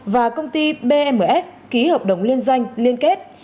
và công ty bms ký hợp đồng liên doanh liên kết